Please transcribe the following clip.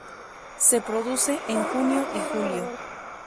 Se producen en junio y julio.